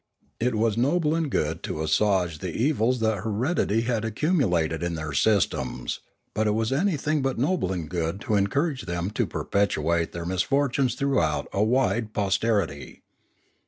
It was noble and good to assuage the evils that heredity had accumulated in their systems; but it was anything but noble and good to encourage them to perpetuate their misfortunes throughout a wide pos terity.